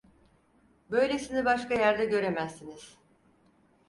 Böylesini başka yerde göremezsiniz!